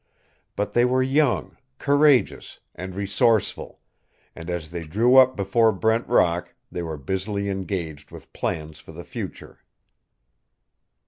But they were young, courageous, and resourceful, and as they drew up before Brent Rock they were busily engaged with plans for the future.